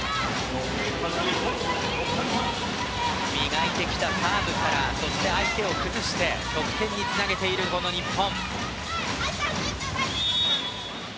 磨いてきたサーブから相手を崩して得点につなげている日本。